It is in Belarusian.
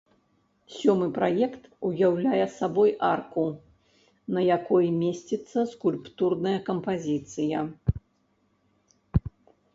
Сёмы праект уяўляе сабой арку, на якой месціцца скульптурная кампазіцыя.